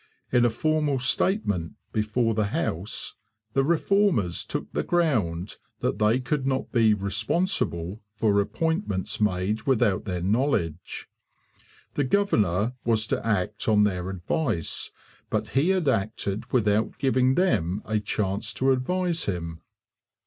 In a formal statement before the House the Reformers took the ground that they could not be 'responsible' for appointments made without their knowledge. The governor was to act on their advice; but he had acted without giving them a chance to advise him.